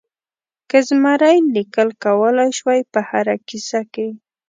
که زمری لیکل کولای شول په هره کیسه کې.